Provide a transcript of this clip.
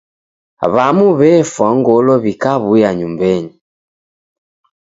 W'amu w'efwa ngolo w'ikaw'uya nyumbenyi.